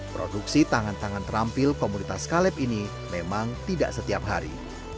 produksi tangan tangan terampil komunitas caleb ini memang tidak setiap hari